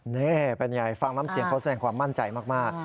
นี่เป็นไงฟังน้ำเสียงเขาแสดงความมั่นใจมาก